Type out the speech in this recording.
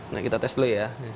nah kita tes dulu ya